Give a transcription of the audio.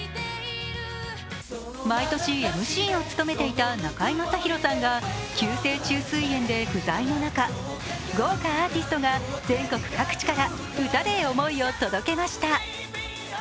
毎年ＭＣを務めていた中居正広さんが急性虫垂炎で不在の中、豪華アーティストが全国各地から歌で思いを届けました。